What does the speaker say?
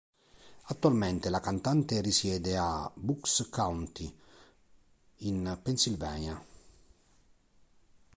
Attualmente la cantante risiede a Bucks County, in Pennsylvania.